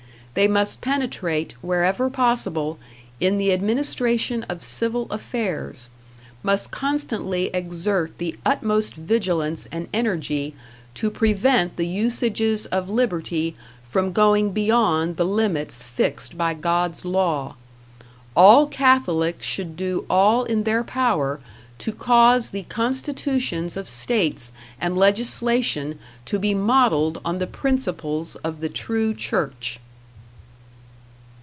They must penetrate, wherever possible, in the administration of civil affairs; must constantly exert the utmost vigilance and energy to prevent the usages of liberty from going beyond the limits fixed by God's law. All Catholics should do all in their power to cause the constitutions of states and legislation to be modeled on the principles of the true Church.